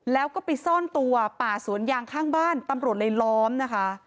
แล้วก็ไปซ่อนตัวป่าสวนยางข้างบ้านตำรวจเลยล้อมนะคะ